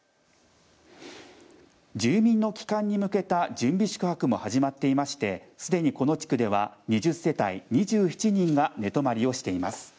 住民の帰還に向けた準備宿泊も始まっていましてすでにこの地区では２０世帯２７人が寝泊まりをしています。